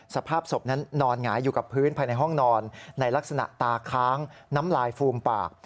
สภาพศพนั้นนอนหงายอยู่กับพื้นภายในห้องนอนในลักษณะตาค้างน้ำลายฟูมปาก